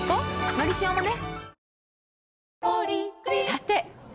「のりしお」もね